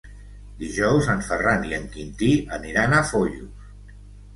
Dijous en Ferran i en Quintí aniran a Foios.